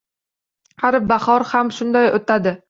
Har bahor ham shunday o’tadi